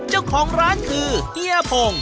เจ้าของร้านคือเฮียพง